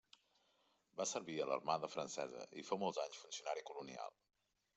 Va servir a l'Armada Francesa i fou molts anys funcionari colonial.